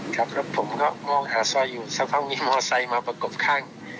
ครับแล้วผมก็มองหาซอยอยู่สักพักมีมอไซค์มาประกบข้าง